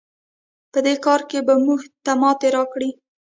په دې کار کې به موږ ته ماتې راکړئ.